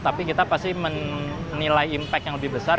tapi kita pasti menilai impact yang lebih besar